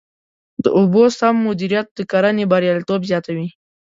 د اوبو سم مدیریت د کرنې بریالیتوب زیاتوي.